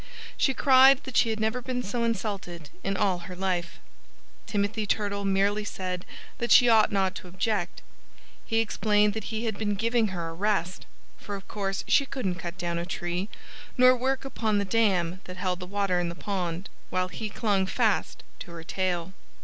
She cried that she had never been so insulted in all her life. Timothy Turtle merely said that she ought not to object. He explained that he had been giving her a rest for of course she couldn't cut down a tree, nor work upon the dam that held the water in the pond, while he clung fast to her tail.